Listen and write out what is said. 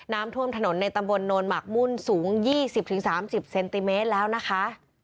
น้ำท่วมถนนในตำบลโน่นหมักมุ่นสูงยี่สิบถึงสามสิบเซนติเมตรแล้วนะคะ